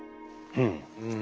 うん。